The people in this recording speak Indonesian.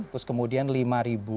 terus kemudian lima ribu